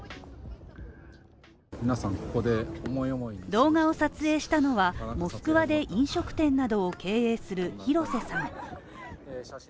動画を撮影したのは、モスクワで飲食店などを経営する廣瀬さん。